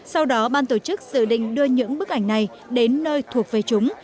sau đó ban tổ chức dự định đưa những bức ảnh này đến nơi thuộc về chúng